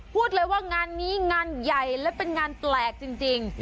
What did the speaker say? พูดเลยว่างานนี้งานใหญ่และเป็นงานแปลกจริง